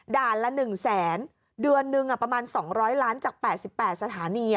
ด่านละหนึ่งแสนเดือนหนึ่งอ่ะประมาณสองร้อยล้านจากแปดสิบแปดสถานีอ่ะ